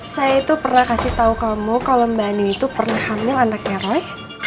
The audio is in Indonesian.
saya itu pernah kasih tahu kamu kalau mbak ani itu pernah hamil anaknya roy